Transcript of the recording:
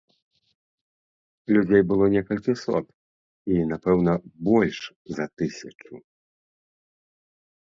Людзей было некалькі сот, і напэўна больш за тысячу.